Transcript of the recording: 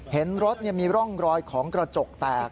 เห็นรถมีร่องรอยของกระจกแตก